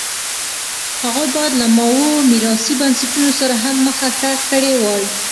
هغوی باید له ماوو میراثي بنسټونو سره هم مخه ښه کړې وای.